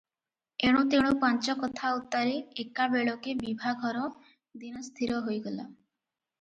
ଏଣୁତେଣୁ ପାଞ୍ଚ କଥା ଉତ୍ତାରେ ଏକାବେଳକେ ବିଭାଘର ଦିନ ସ୍ଥିର ହୋଇଗଲା ।